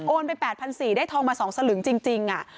โอนไป๘๔๐๐บาทได้ทองมา๒สลึงจริงอะ